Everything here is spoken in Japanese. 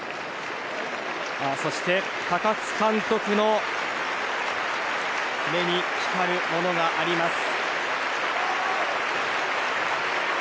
高津監督の目に光るものがあります。